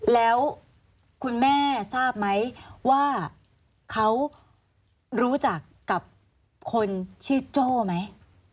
แล้วคุณแม่ทราบไหมว่าเขารู้จักกับคนชื่อโจ้ไหม